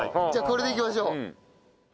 じゃあこれでいきましょう。